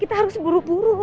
kita harus buru buru